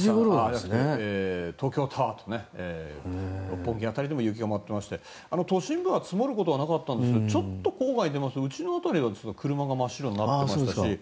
東京タワー、六本木辺りでも雪が舞っていまして都心部は積もることはなかったんですが郊外に出ますとうちの辺りは車が真っ白になっていましたし